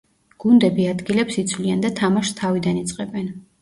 გუნდები ადგილებს იცვლიან და თამაშს თავიდან იწყებენ.